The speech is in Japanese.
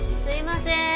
すいません。